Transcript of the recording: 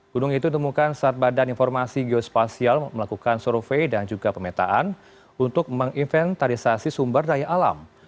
gunung itu ditemukan saat badan informasi geospasial melakukan survei dan juga pemetaan untuk menginventarisasi sumber daya alam